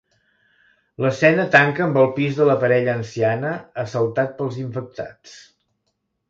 L'escena tanca amb el pis de la parella anciana assaltat pels infectats.